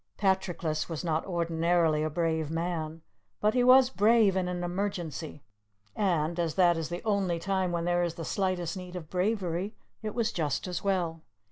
Patroclus was not ordinarily a brave man, but he was brave in an emergency; and as that is the only time when there is the slightest need of bravery, it was just as well.